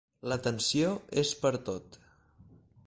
La tensió és pertot.